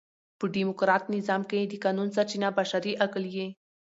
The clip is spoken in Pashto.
په ډیموکراټ نظام کښي د قانون سرچینه بشري عقل يي.